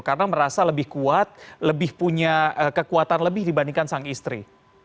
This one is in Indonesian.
karena merasa lebih kuat lebih punya kekuatan lebih dibandingkan sang istri